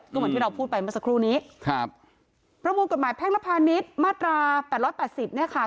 ก็เหมือนที่เราพูดไปเมื่อสักครู่นี้ครับประมวลกฎหมายแพ่งและพาณิชย์มาตราแปดร้อยแปดสิบเนี่ยค่ะ